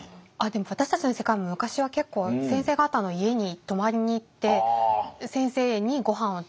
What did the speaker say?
でも私たちの世界も昔は結構先生方の家に泊まりに行って先生にごはんを。